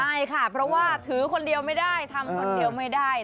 ใช่ค่ะเพราะว่าถือคนเดียวไม่ได้ทำคนเดียวไม่ได้